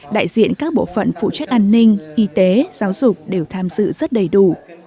đại diện các bộ phận phụ trách an ninh y tế giáo dục đều tham dự rất đầy đủ